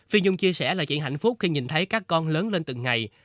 phi nhung chia sẻ là chuyện hạnh phúc khi nhìn thấy các con lớn lên từng ngày